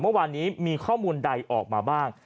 เมื่อวานนี้มีข้อมูลใดออกมาบ้าง